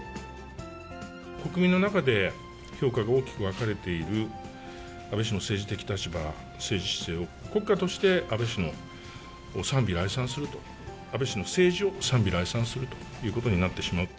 国民の中で、評価が大きく分かれている安倍氏の政治的立場、政治姿勢を、国家として安倍氏を賛美・礼賛すると、安倍氏の政治を賛美・礼賛するということになってしまう。